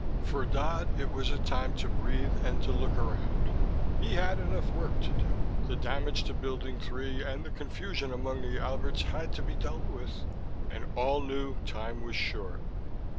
For Dodd, it was a time to breathe and to look around. He had enough work to do: the damage to Building Three, and the confusion among the Alberts, had to be dealt with, and all knew time was short.